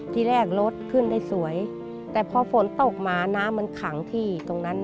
ที่แรกรถขึ้นได้สวยแต่พอฝนตกมาน้ำมันขังที่ตรงนั้น